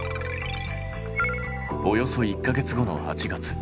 およそ１か月後の８月。